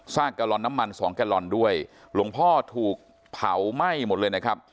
กะลอนน้ำมันสองแกลลอนด้วยหลวงพ่อถูกเผาไหม้หมดเลยนะครับ